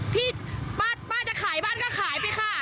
พี่ป้าจะขายบ้านก็ขายไปค่ะ